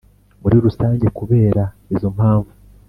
Muri Rusange kubera izo mpamvu